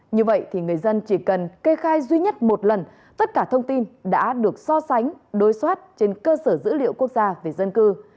như vậy thì người dân chỉ cần kê khai duy nhất một lần tất cả thông tin đã được so sánh đối soát trên cơ sở dữ liệu quốc gia về dân cư